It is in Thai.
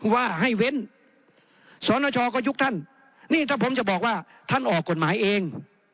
ว่าให้เว้นสนชก็ยุคท่านนี่ถ้าผมจะบอกว่าท่านออกกฎหมายเอง